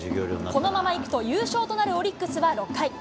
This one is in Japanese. このままいくと優勝となるオリックスは、６回。